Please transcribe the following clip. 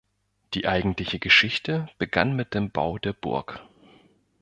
Die eigentliche Geschichte begann mit dem Bau der Burg.